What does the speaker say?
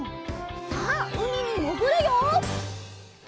さあうみにもぐるよ！